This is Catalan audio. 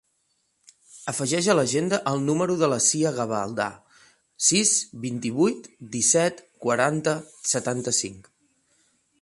Afegeix a l'agenda el número de la Sia Gavalda: sis, vint-i-vuit, disset, quaranta, setanta-cinc.